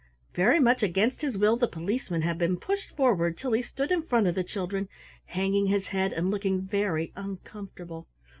Very much against his will the Policeman had been pushed forward till he stood in front of the children, hanging his head and looking very uncomfortable.